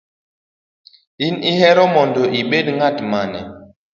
In ihero mondo ibed ng’at mane?